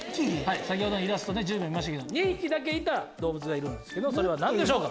先ほど１０秒見ましたけど２匹だけいた動物がいるんですそれは何でしょうか？